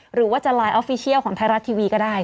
หรือว่าจะไลน์ออฟฟิเชียลของไทยรัฐทีวีก็ได้